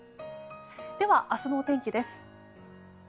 では、明日のお天気です。